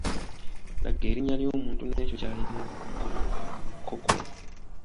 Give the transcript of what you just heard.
Laga erinnya ly'omuntu n'ekyo ky'alina okukokola.